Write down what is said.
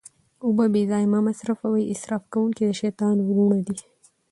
اوبه بې ځایه مه مصرفوئ، اسراف کونکي د شيطان وروڼه دي